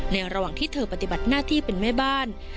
ระหว่างที่เธอปฏิบัติหน้าที่เป็นแม่บ้าน